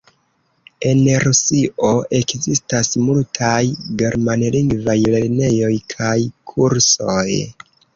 En Rusio ekzistas multaj germanlingvaj lernejoj kaj kursoj.